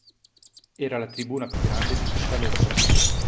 Era la tribuna più grande di tutta Londra.